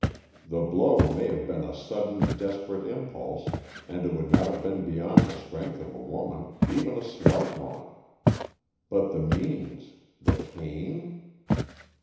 The blow may have been a sudden, desperate impulse, and it would not have been beyond the strength of a woman, even a slight woman. But the means, the cane?"